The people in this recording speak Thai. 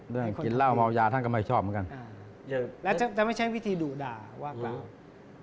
กินเหล้าเมายาท่านก็ไม่ชอบเหมือนกันและจะไม่ใช้วิธีดุด่าว่ากล่าว